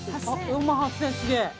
４万８，０００円すげえ。